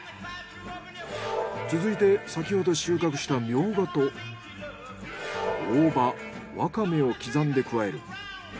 続いて先ほど収穫したミョウガと大葉ワカメを刻んで加える。